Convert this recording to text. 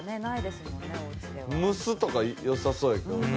蒸すとかよさそうやけどな。